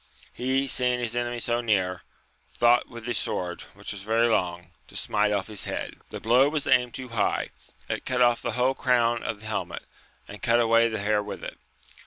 He seeing his enemy so near, thought with his sword, which was very long, to smite off his head ; the blow was aimed too high, it cut off the whole crown of the helmet, and cut away the hair with it.